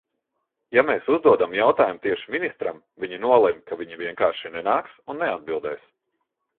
Ja mēs uzdodam jautājumu tieši ministram, viņi nolemj, ka viņi vienkārši nenāks un neatbildēs.